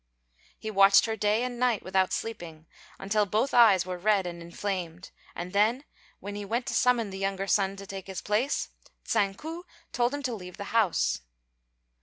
He watched her day and night without sleeping, until both eyes were red and inflamed; and then when he went to summon the younger son to take his place, Tsang ku told him to leave the house.